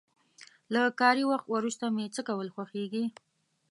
له کاري وخت وروسته مې څه کول خوښيږي؟